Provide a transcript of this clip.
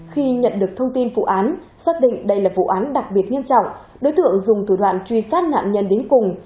khi nhận được thông tin vụ án xác định đây là vụ án đặc biệt nghiêm trọng đối tượng dùng thủ đoạn truy sát nạn nhân đến cùng